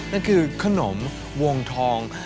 นั่นคือขนมวงทอง